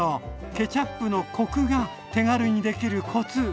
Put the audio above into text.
ケチャップのコクが手軽にできるコツですか。